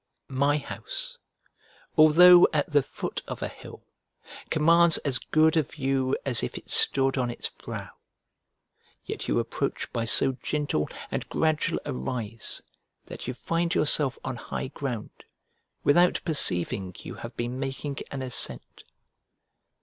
My house, although at the foot of a hill, commands as good a view as if it stood on its brow, yet you approach by so gentle and gradual a rise that you find yourself on high ground without perceiving you have been making an ascent.